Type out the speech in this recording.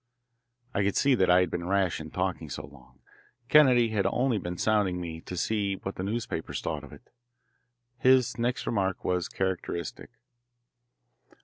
I could see that I had been rash in talking so long. Kennedy had only been sounding me to see what the newspapers thought of it. His next remark was characteristic.